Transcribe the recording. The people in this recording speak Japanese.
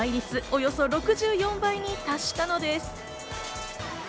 およそ６４倍に達したのです。